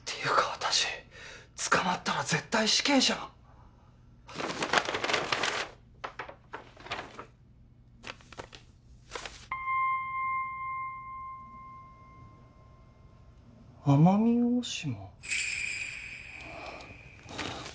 私捕まったら絶対死刑じゃん奄美大島？